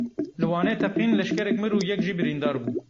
Li Wanê teqîn, leşkerek mir û yek jî birîndar bû.